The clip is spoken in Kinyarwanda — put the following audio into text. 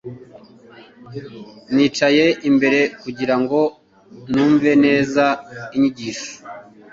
Nicaye imbere kugira ngo numve neza inyigisho